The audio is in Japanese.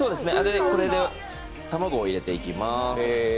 これで卵を入れていきます。